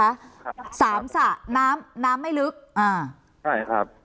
ครับสามสระน้ำน้ำไม่ลึกอ่าใช่ครับ